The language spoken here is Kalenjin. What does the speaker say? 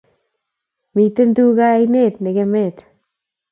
Miten tuka ainet nekemet